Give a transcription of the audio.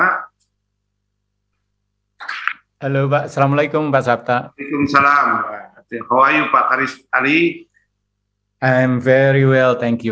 halo pak assalamualaikum pak sabta salam salam the hawaii pakar is ali i m very well thank you